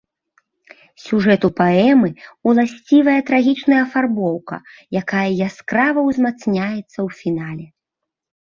Сюжэту паэмы ўласцівая трагічная афарбоўка, якая яскрава ўзмацняецца ў фінале.